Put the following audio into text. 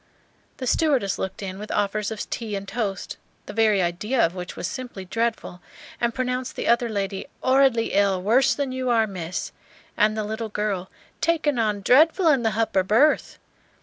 The stewardess looked in with offers of tea and toast, the very idea of which was simply dreadful, and pronounced the other lady "'orridly ill, worse than you are, Miss," and the little girl "takin' on dreadful in the h'upper berth."